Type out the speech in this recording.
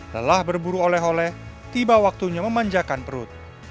lelah berburu oleh oleh tiba waktunya memanjakan perut